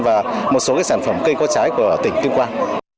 và một số sản phẩm cây có trái của tỉnh tuyên quang